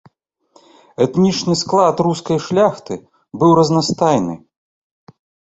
Этнічны склад рускай шляхты быў разнастайны.